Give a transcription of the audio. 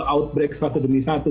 outbreak satu demi satu